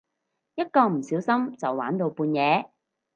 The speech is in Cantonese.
一個唔小心就玩到半夜